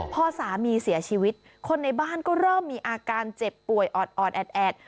พอสามีเสียชีวิตคนในบ้านก็เริ่มมีอาการเจ็บป่วยออดแอด